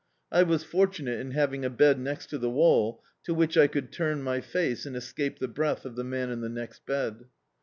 I was fortunate in having a bed next to the wall, to which I could turn my face and escape the breath of the man in the next bed.